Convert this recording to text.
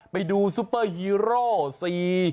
ไปดูซุปเปอร์ฮีโร่สี่